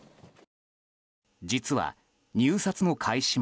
実は入札の開始